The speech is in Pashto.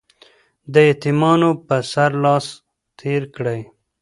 د يتيمانو په سر لاس تېر کړئ.